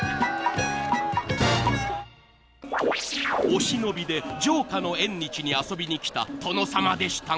［お忍びで城下の縁日に遊びに来た殿様でしたが］